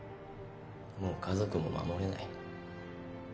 もう家族も守れない。